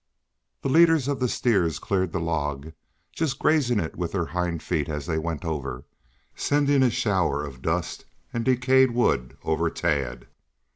The leaders of the steers cleared the log, just grazing it with their hind feet as they went over, sending a shower of dust and decayed wood over Tad.